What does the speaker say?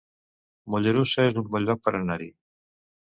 Mollerussa es un bon lloc per anar-hi